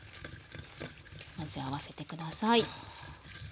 混ぜ合わせて下さい。